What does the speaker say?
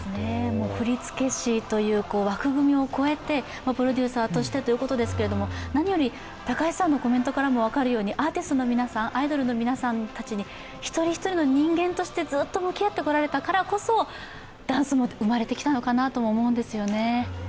振り付け師という枠組みを超えて、プロデューサーとしてということですけど、何より高橋さんのコメントからも分かるようにアーティストの皆さん、アイドルの皆さんたちに、一人一人の人間として、ずっと向き合ってこられたからこそダンスも生まれてきたのかなと思うんですよね。